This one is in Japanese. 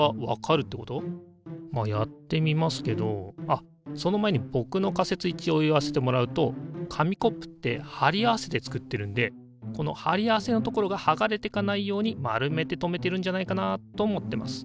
まあやってみますけどあっその前に僕の仮説一応言わせてもらうと紙コップって貼り合わせて作ってるんでこの貼り合わせのところが剥がれてかないように丸めて留めてるんじゃないかなと思ってます。